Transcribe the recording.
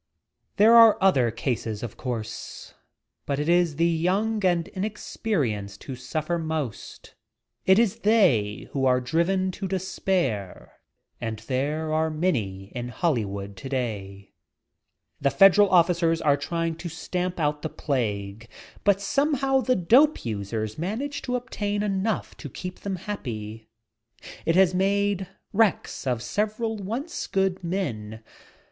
There are other cases, of course. For it is the young and inexperienced who suffer most. It is they who are driven to despair, and there are many in Hollywood today. The Federal officers are trying to stamp out the plague, but somehow the dope users manage to ob tain enough to keep them happy. It has made wrecks of several once good men.